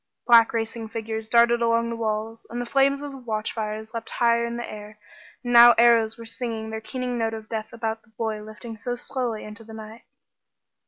Black racing figures darted along the walls, the flames of the watchfires leapt higher in the air, and now arrows were singing their keening note of death about the boy lifting so slowly into the night.